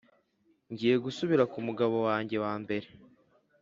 Ngiye gusubira ku mugabo wanjye wa mbere,